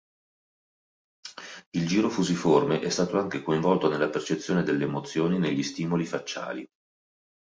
Il giro fusiforme è stato anche coinvolto nella percezione delle emozioni negli stimoli facciali.